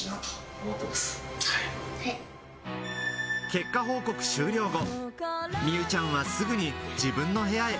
結果報告終了後、美羽ちゃんはすぐに自分の部屋へ。